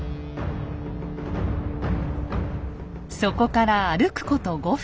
そこから歩くこと５分。